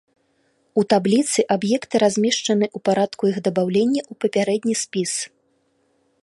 У табліцы аб'екты размешчаны ў парадку іх дабаўлення ў папярэдні спіс.